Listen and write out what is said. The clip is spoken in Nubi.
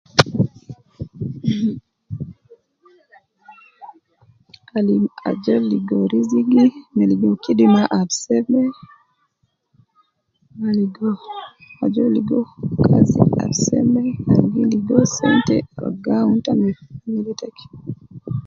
Mh,alim ajol ligo rizigi me ligo kidima ab seme ma ligo ajol ligo kazi ab seme al gi ligo sente ab gi awun ta me yala taki